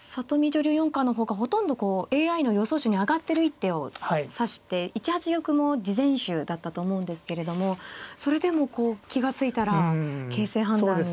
女流四冠の方がほとんどこうＡＩの予想手に挙がってる一手を指して１八玉も次善手だったと思うんですけれどもそれでもこう気が付いたら形勢判断に。